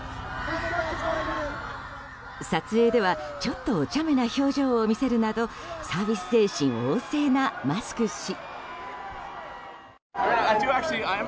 撮影では、ちょっとおちゃめな表情を見せるなどサービス精神旺盛なマスク氏。